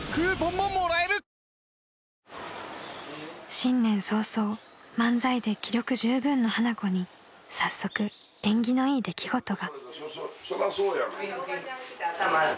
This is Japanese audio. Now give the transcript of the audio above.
［新年早々漫才で気力十分の花子に早速縁起のいい出来事が］